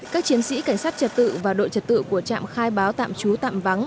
các chiến sĩ cảnh sát trật tự và đội trật tự của trạm khai báo tạm trú tạm vắng